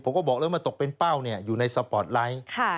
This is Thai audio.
เขาบอกแล้วมาตกเป็นเป้าอยู่ในสปอร์ตไลท์